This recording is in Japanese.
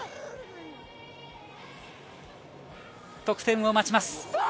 得点を待ちます。